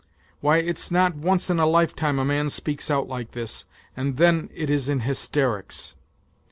Why, it's not once in a lifetime a man speaks out like this, and then it is in hysterics